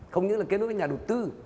không những là kết nối với nhà đầu tư